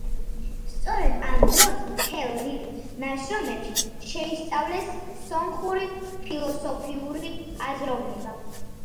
სწორედ ამ დროს, მთელ რიგ ნაშრომებში შეისწავლეს სომხური ფილოსოფიური აზროვნება.